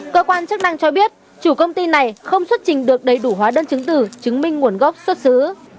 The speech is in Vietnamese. cơ quan chức năng cho biết chủ công ty này không xuất trình được đầy đủ hóa đơn chứng tử chứng minh nguồn gốc xuất xứ